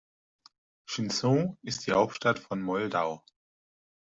Chișinău ist die Hauptstadt von Moldau.